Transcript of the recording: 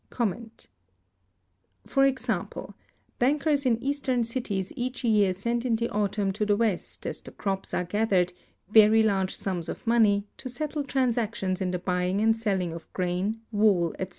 For example, bankers in Eastern cities each year send in the autumn to the West, as the crops are gathered, very large sums of money, to settle transactions in the buying and selling of grain, wool, etc.